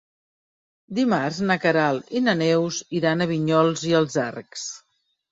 Dimarts na Queralt i na Neus iran a Vinyols i els Arcs.